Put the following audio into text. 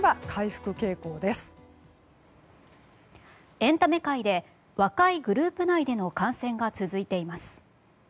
エンタメ界で若いグループ内での感染が続いています。